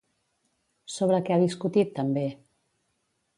Sobre què ha discutit també?